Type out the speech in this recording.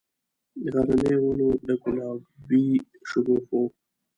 د غرنیو ونو، د ګلابي شګوفو،